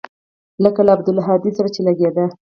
لکه له عبدالهادي سره چې لګېده.